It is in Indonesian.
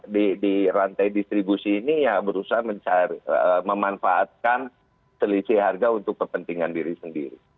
di rantai distribusi ini ya berusaha memanfaatkan selisih harga untuk kepentingan diri sendiri